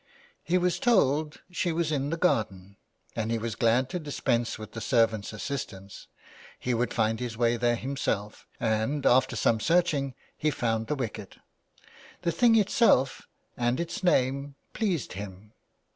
He was told she was in the garden, and he was glad to dispense with the servant's assistance ; he would find his way there himself, and, after some searching, he found the wicket. The thing itself and its name pleased him.